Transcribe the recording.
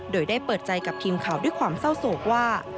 โดยได้เปิดใจกับทีมข่าวด้วยความเศร้าโศกว่า